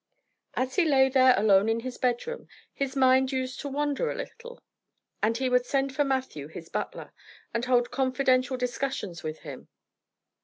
As he lay there alone in his bedroom his mind used to wander a little, and he would send for Matthew, his butler, and hold confidential discussions with him.